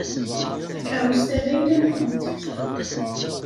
Takeṛṛust-a d ayla-nwent.